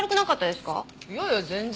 いやいや全然。